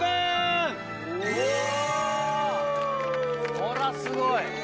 こらすごい！